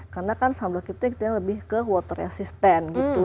karena kan sunblock itu lebih ke water resistant gitu